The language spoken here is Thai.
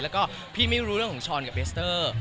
แล้วก็พี่ไม่รู้เรื่องของช้อนกับเบสเตอร์